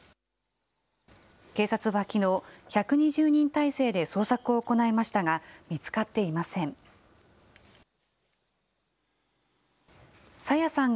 警察はきのう、１２０人態勢で捜索を行いましたが、見つかっていません。